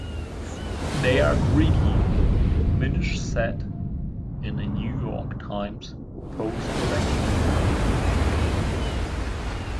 They're greedy, Minish said in a New York Times post-election interview.